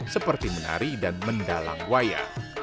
seperti menari dan mendalang buaya